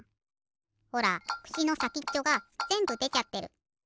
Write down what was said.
ほらくしのさきっちょがぜんぶでちゃってる。